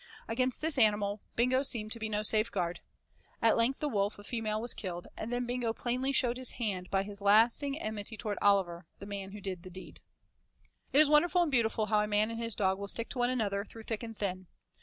Against this animal Bingo seemed to be no safeguard. At length the wolf, a female, was killed, and then Bingo plainly showed his hand by his lasting enmity toward Oliver, the man who did the deed. VI It is wonderful and beautiful how a man and his dog will stick to one another, through thick and thin.